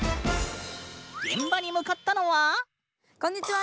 現場に向かったのはこんにちは！